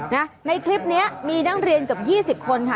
ในคลิปนี้มีนักเรียนเกือบ๒๐คนค่ะ